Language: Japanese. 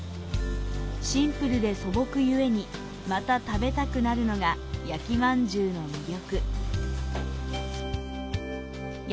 シンプルで素朴ゆえに、また食べたくなるのが、焼きまんじゅうの魅力。